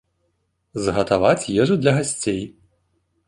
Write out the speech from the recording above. Згатаваць ежу для гасцей.